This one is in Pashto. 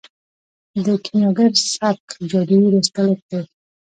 د کیمیاګر سبک جادويي ریالستیک دی.